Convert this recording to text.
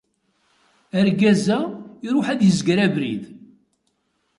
Argaz-a, iruḥ ad yezger abrid.